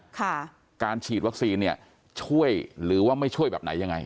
การฉีดวัคซีนเนี่ยช่วยหรือว่าไม่ช่วยแบบไหนยังไง